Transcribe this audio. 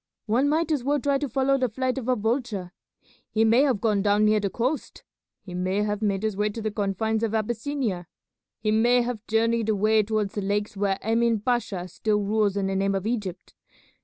One might as well try to follow the flight of a vulture. He may have gone down near the coast; he may have made his way to the confines of Abyssinia; he may have journeyed away towards the lakes where Emin Pasha still rules in the name of Egypt.